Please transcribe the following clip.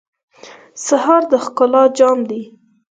سهار د ښکلا جام دی.